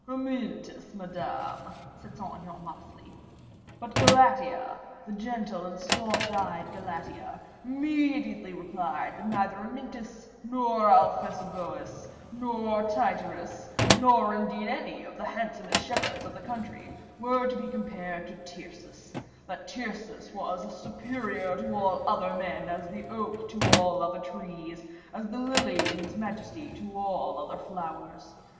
"Amyntas, Madame," said Saint Aignan, modestly. "But Galatea, the gentle and soft eyed Galatea, immediately replied, that neither Amyntas, nor Alphesiboeus, nor Tityrus, nor indeed any of the handsomest shepherds of the country, were to be compared to Tyrcis; that Tyrcis was as superior to all other men, as the oak to all other trees, as the lily in its majesty to all other flowers.